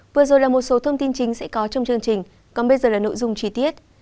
vừa rồi là một số thông tin chính sẽ có trong chương trình còn bây giờ là nội dung chi tiết